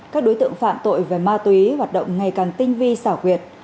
các đối tượng phạm tội về ma túy hoạt động ngày càng tinh vi xảo quyệt